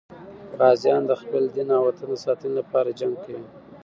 غازیان د خپل دین او وطن د ساتنې لپاره جنګ کوي.